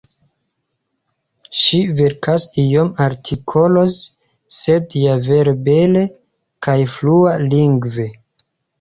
Ŝi verkas iom artikoloze, sed ja vere bele kaj flua-lingve.